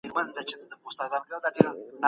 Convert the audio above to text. هغه اوس د حقايقو په اړه کتاب لولي.